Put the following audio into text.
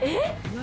何？